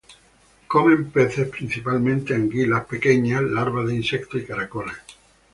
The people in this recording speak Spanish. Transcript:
Comen peces principalmente, anguilas pequeñas, larvas de insectos, y caracoles.